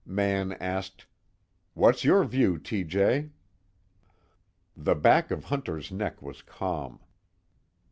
Mann asked: "What's your view, T. J.?" The back of Hunter's neck was calm.